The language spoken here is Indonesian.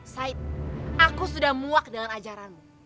said aku sudah muak dalam ajaranmu